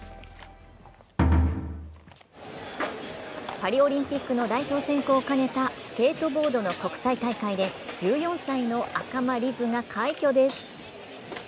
パリオリンピックの代表選考を兼ねたスケートボードの国際大会で１４歳の赤間凛音が快挙です。